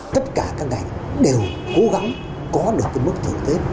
tất cả các ngành đều cố gắng có được mức thưởng tết